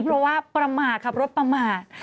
เพราะว่าประมาทขับรถประมาท